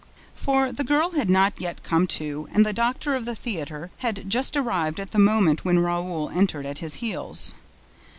For the girl had not yet come to; and the doctor of the theater had just arrived at the moment when Raoul entered at his heels.